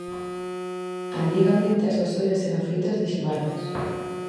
Antigamente as vasoiras eran feitas de xibardas